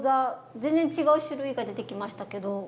全然違う種類が出てきましたけど。